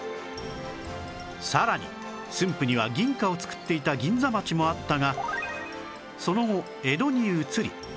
さらに駿府には銀貨を作っていた銀座町もあったがその後江戸に移り